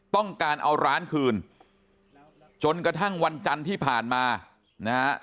ต้องการเอาร้านคืนจนกระทั่งวันจันทร์ที่ผ่านมานะฮะ